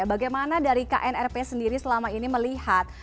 bagaimana dari knrp sendiri selama ini melihat